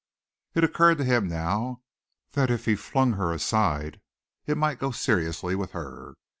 It occurred to him now that if he flung her aside it might go seriously with her.